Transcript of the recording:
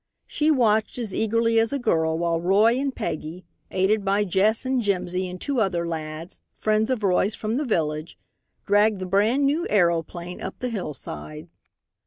She watched as eagerly as a girl while Roy and Peggy, aided by Jess and Jimsy and two other lads, friends of Roy's from the village, dragged the brand new aeroplane up the hillside.